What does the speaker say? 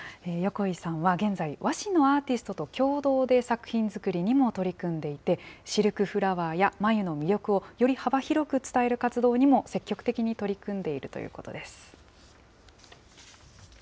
横井さんは現在、和紙のアーティストと共同で作品作りにも取り組んでいて、シルクフラワーや繭の魅力をより幅広く伝える活動にも積極的に取り組んでいるということです。